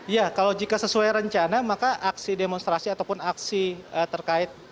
ya kalau jika sesuai rencana maka aksi demonstrasi ataupun aksi terkait